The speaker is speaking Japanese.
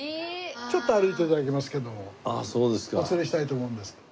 ちょっと歩いて頂きますけどもお連れしたいと思うんですが。